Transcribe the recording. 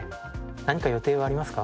何か予定はありますか？